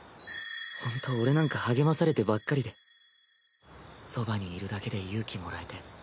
ほんと俺なんか励まされてばっかりでそばにいるだけで勇気もらえて。